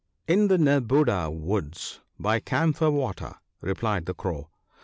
In the Nerbudda woods, by Camphor water,' replied the Crow.